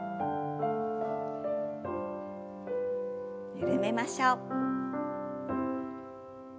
緩めましょう。